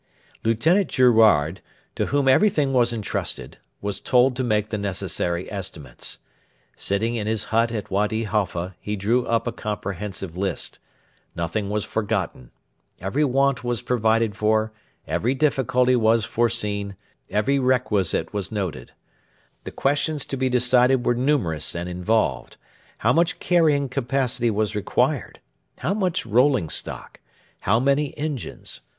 Lieutenant Girouard, to whom everything was entrusted, was told to make the necessary estimates. Sitting in his hut at Wady Halfa, he drew up a comprehensive list. Nothing was forgotten. Every want was provided for; every difficulty was foreseen; every requisite was noted. The questions to be decided were numerous and involved. How much carrying capacity was required? How much rolling stock? How many engines?